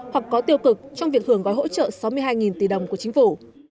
hoặc có tiêu cực trong việc hưởng gói hỗ trợ sáu mươi hai tỷ đồng của chính phủ